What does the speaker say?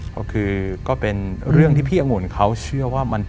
ก็คือก็เป็นเรื่องที่พี่องุ่นเขาเชื่อว่ามัน